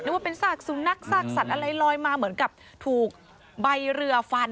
ว่าเป็นซากสุนัขซากสัตว์อะไรลอยมาเหมือนกับถูกใบเรือฟัน